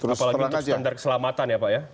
apalagi untuk standar keselamatan ya pak ya